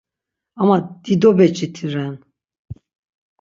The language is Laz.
Ama dido beciti ren.